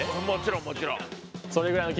もちろんもちろん。